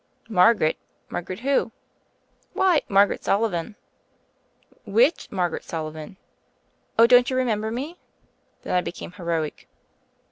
"Margaret I Margaret whoT "Why, Margaret Sullivan." 'Which Margaret Sullivan?" "Oh, don't you remember me?" Then I became heroic.